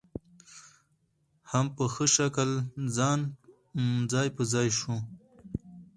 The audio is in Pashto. هم په ښه شکل ځاى په ځاى شوې